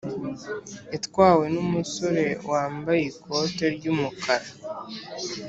itwawe n’umusore wambaye ikoti ry’umukara.